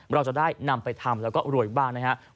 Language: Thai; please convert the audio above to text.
เราจะได้นำไปทำแล้วก็รวยบ้างนะครับ